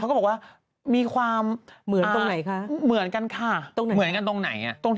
ขอบคุณค่ะ